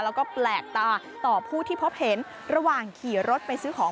แล้วก็แปลกตาต่อผู้ที่พบเห็นระหว่างขี่รถไปซื้อของ